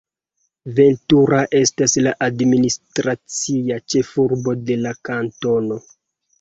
Ventura estas la administracia ĉefurbo de la kantono.